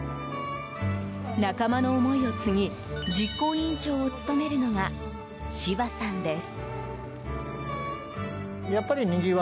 仲間の思いを継ぎ実行委員長を務めるのが芝さんです。